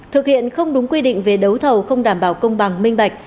thực hiện không đúng quy định về đấu thầu không đảm bảo công bằng minh bạch